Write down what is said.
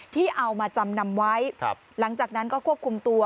ที่เอามาจำนำไว้หลังจากนั้นก็ควบคุมตัว